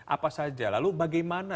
apa saja lalu bagaimana